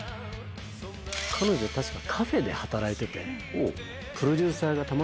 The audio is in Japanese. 彼女確か。